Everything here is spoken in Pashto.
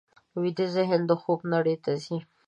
ویده ذهن د خوب نړۍ ته ځي